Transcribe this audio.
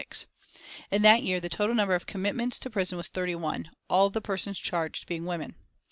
In that year the total number of commitments to prison was 31, all the persons charged being women.